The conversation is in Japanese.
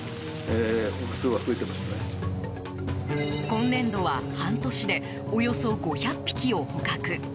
今年度は半年でおよそ５００匹を捕獲。